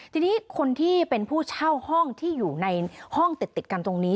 ทีนี้คนที่เป็นผู้เช่าห้องที่อยู่ในห้องติดกันตรงนี้